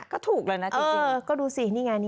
ก็ถูกเลยนะจริงก็ดูสินี่ไง